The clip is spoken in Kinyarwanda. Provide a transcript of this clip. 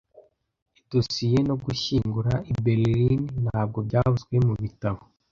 Idosiye nogushyingura i Berlin Ntabwo byavuzwe mubitabo